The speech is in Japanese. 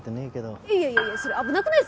いやいやいやいやそれ危なくないですか？